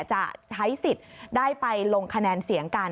จะใช้สิทธิ์ได้ไปลงคะแนนเสียงกัน